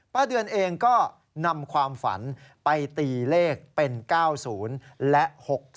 เดือนเองก็นำความฝันไปตีเลขเป็น๙๐และ๖๒